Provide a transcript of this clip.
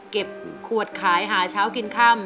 เก็บขวดขายหาเช้ากินค่ำ